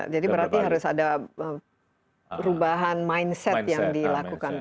jadi berarti harus ada perubahan mindset yang dilakukan